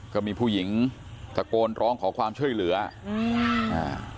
ก็มีผู้หญิงตะโกนร้องขอความช่วยเหลืออืมอ่า